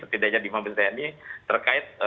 tidak hanya di mabes tni terkait